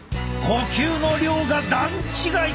呼吸の量が段違い！